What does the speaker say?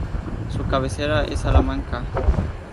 Su cabecera es Salamanca.